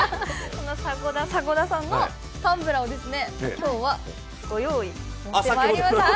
その迫田さんのタンブラーを今日は持ってまいりました。